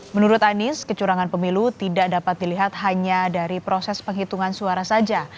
menurut anies kecurangan pemilu tidak dapat dilihat hanya dari proses penghitungan suara saja